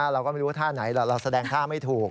เราก็ไม่รู้ว่าท่าไหนเราแสดงท่าไม่ถูก